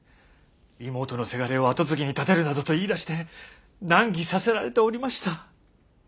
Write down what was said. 妹のせがれを跡継ぎに立てるなどと言い出して難儀させられておりました。